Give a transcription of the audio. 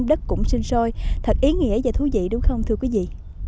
đất cũng sinh sôi thật ý nghĩa và thú vị đúng không thưa quý vị